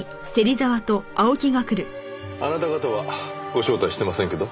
あなた方はご招待してませんけど？